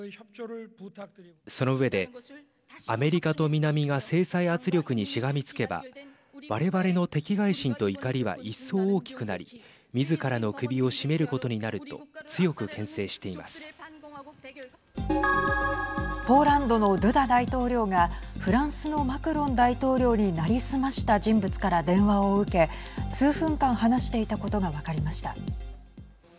その上で、アメリカと南が制裁圧力にしがみつけば我々の敵がい心と怒りは一層、大きくなりみずからの首を絞めることになるとポーランドのドゥダ大統領がフランスのマクロン大統領に成り済ました人物から電話を受け、数分間話していたことが分かりました。